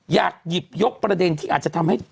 อยากหยิบยกประเด็นที่อาจจะทำให้